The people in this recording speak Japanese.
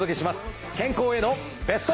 健康へのベスト。